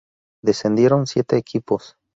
Descendieron siete equipos.